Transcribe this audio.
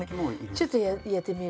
ちょっとやってみる？